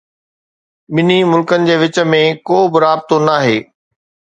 ٻنهي ملڪن جي وچ ۾ ڪوبه رابطو ناهي.